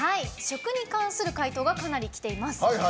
食に関する回答がかなりきています。